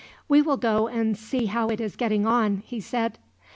"We will go and see how it is getting on," he said.